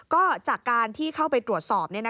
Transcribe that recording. ก็จากการที่เข้าไปตรวจสอบ